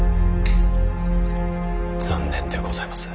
残念でございます。